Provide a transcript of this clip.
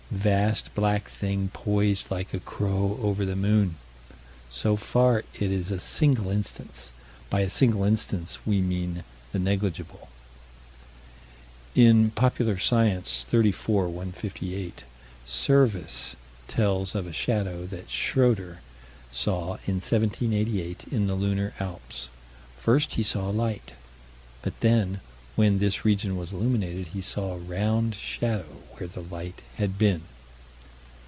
Vast black thing poised like a crow over the moon. So far it is a single instance. By a single instance, we mean the negligible. In Popular Science, 34 158, Serviss tells of a shadow that Schroeter saw, in 1788, in the lunar Alps. First he saw a light. But then, when this region was illuminated, he saw a round shadow where the light had been.